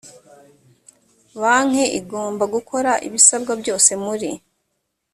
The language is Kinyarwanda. banki igomba gukora ibisabwa byose muri